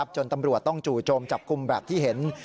จนตำรวจต้องจู่โจมจับกลุ่มแบบที่เห็น